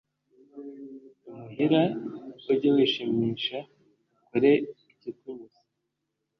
imuhira, ujye wishimisha ukore ikikunyuze